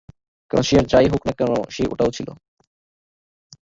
কারণ সে আর যা-ই হউক না কেন, সে ওটাও ছিল।